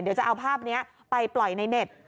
เดี๋ยวจะเอาภาพนี้ไปปล่อยในเน็ต